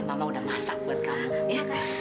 mama udah masak buat kamu